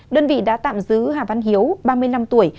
đơn vị đã tạm giữ hà văn hiếu ba mươi năm tuổi